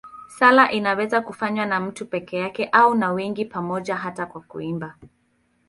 Sala inaweza kufanywa na mtu peke yake au na wengi pamoja, hata kwa kuimba.